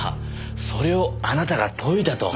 それをあなたが解いたと？